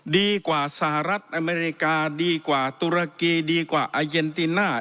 สหรัฐอเมริกาดีกว่าตุรกีดีกว่าอาเยนติน่า